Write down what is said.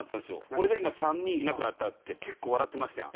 俺が今３人いなくなったって結構笑ってましたやん。